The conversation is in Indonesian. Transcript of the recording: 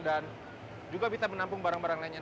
dan juga bisa menampung barang barang lainnya